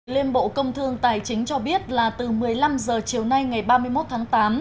liên bộ công thương tài chính cho biết là từ một mươi năm h chiều nay ngày ba mươi một tháng tám